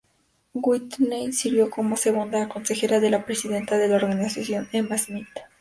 Whitney sirvió como segunda consejera de la presidenta de la organización, Emma Smith.